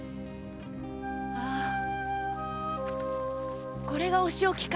「ああこれがお仕置きか」